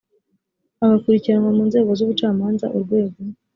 agakurikiranwa mu nzego z ubucamanza urwego